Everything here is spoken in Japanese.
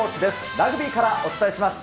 ラグビーからお伝えします。